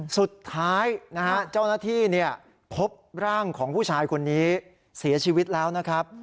สุดท้ายนะฮะเจ้าหน้าที่พบร่างของผู้ชายคนนี้เสียชีวิตแล้วนะครับ